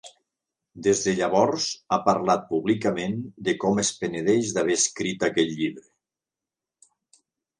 Des de llavors ha parlat públicament de com es penedeix d'haver escrit aquell llibre.